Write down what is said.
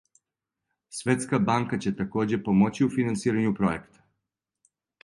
Светска банка ће такође помоћи у финансирању пројекта.